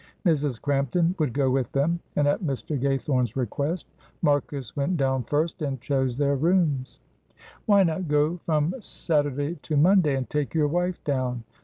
Mrs. Crampton would go with them, and, at Mr. Gaythorne's request, Marcus went down first and chose their rooms. "Why not go from Saturday to Monday, and take your wife down?